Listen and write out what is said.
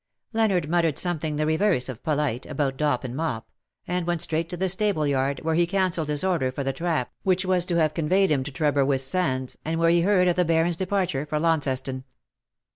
^^ Leonard muttered something the reverse of polite about Dop and Mop, and went straight to the stable yard, where he cancelled his order for the trap which was to have conveyed him to Trebarwith sands, and where he heard of the Baron^s departure for Launceston.